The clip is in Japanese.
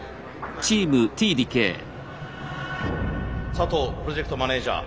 佐藤プロジェクトマネージャー